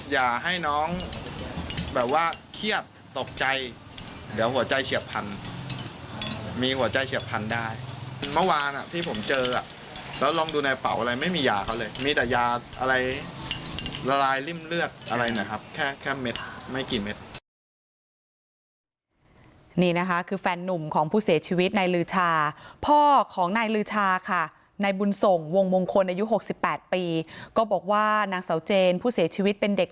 อย่าให้น้องแบบว่าเครียดตกใจเดี๋ยวหัวใจเฉียบพันธุ์มีหัวใจเฉียบพันธุ์ได้เมื่อวานอ่ะที่ผมเจออ่ะแล้วลองดูในเป่าอะไรไม่มียาเขาเลยมีแต่ยาอะไรละลายริ่มเลือดอะไรหน่อยครับแค่แค่เม็ดไม่กี่เม็ด